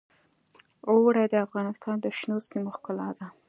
اوړي د افغانستان د شنو سیمو ښکلا ده.